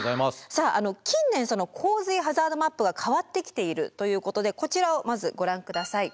さああの近年洪水ハザードマップが変わってきているということでこちらをまずご覧ください。